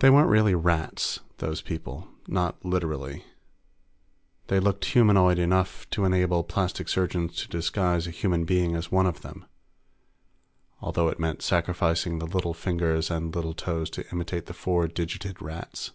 They weren't really rats, those people. Not literally. They looked humanoid enough to enable plastic surgeons to disguise a human being as one of them, although it meant sacrificing the little fingers and little toes to imitate the four digited Rats.